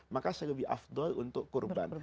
maka saya lebih afdol untuk kurban